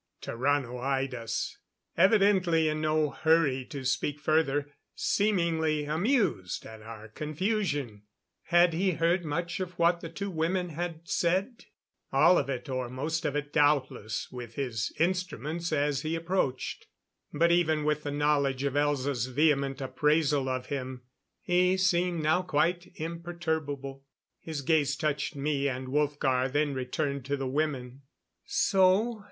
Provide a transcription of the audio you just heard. Tarrano eyed us, evidently in no hurry to speak further, seemingly amused at our confusion. Had he heard much of what the two women had said? All of it, or most of it, doubtless, with his instruments as he approached. But, even with the knowledge of Elza's vehement appraisal of him, he seemed now quite imperturbable. His gaze touched me and Wolfgar, then returned to the women. "So?